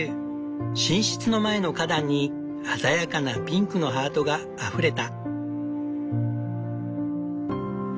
寝室の前の花壇に鮮やかなピンクのハートがあふれた。